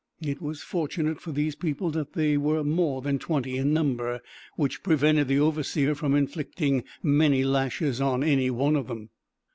It was fortunate for these people, that they were more than twenty in number, which prevented the overseer from inflicting many lashes on any one of them.